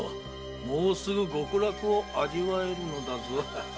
もうすぐ極楽を味わえるのだぞ。